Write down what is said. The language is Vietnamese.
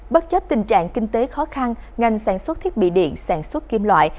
bất chấp tình trạng kinh tế khó khăn ngành sản xuất thiết bị điện sản xuất kim loại